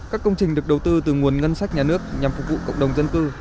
các công trình được đầu tư từ nguồn ngân sách nhà nước nhằm phục vụ cộng đồng dân cư